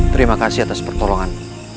terima kasih atas pertolongan